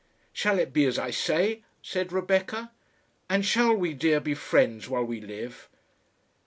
"Shall it be as I say?" said Rebecca; "and shall we, dear, be friends while we live?"